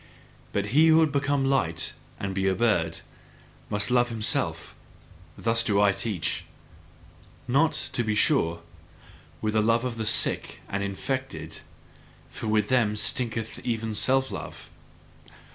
But he who would become light, and be a bird, must love himself: thus do I teach. Not, to be sure, with the love of the sick and infected, for with them stinketh even self love!